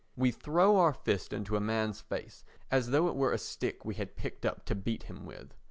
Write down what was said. We throw our fist into a man's face as though it were a stick we had picked up to beat him with.